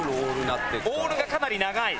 オールがかなり長い。